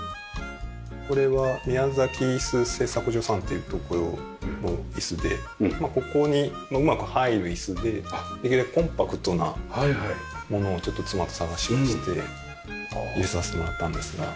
これは宮崎椅子製作所さんという所の椅子でここにうまく入る椅子でできるだけコンパクトなものをちょっと妻と探しまして入れさせてもらったんですが。